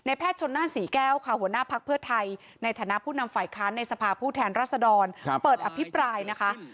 แพทย์ชนนั่นศรีแก้วค่ะหัวหน้าพักเพื่อไทยในฐานะผู้นำฝ่ายค้านในสภาพผู้แทนรัศดรเปิดอภิปรายนะคะ